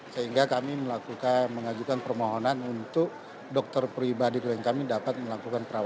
sehingga kami melakukan mengajukan permohonan untuk dokter pribadi klien kami dapat melakukan perawatan